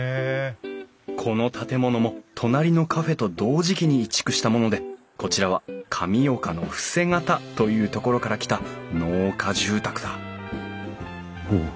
この建物も隣のカフェと同時期に移築したものでこちらは神岡の伏方という所から来た農家住宅だおおっ